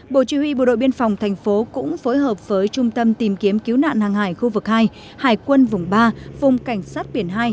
bộ chỉ huy bộ đội biên phòng thành phố cũng phối hợp với trung tâm tìm kiếm cứu nạn hàng hải khu vực hai hải quân vùng ba vùng cảnh sát biển hai